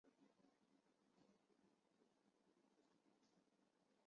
讲述民国北京琉璃厂古玩街上的各色人物故事。